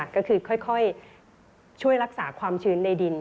ก็คือค่อยช่วยรักษาความชื้นในดิน